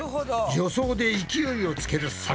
助走で勢いをつける作戦だな。